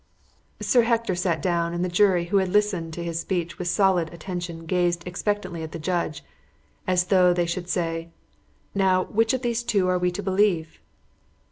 Sir Hector sat down, and the jury, who had listened to his speech with solid attention, gazed expectantly at the judge, as though they should say: "Now, which of these two are we to believe?"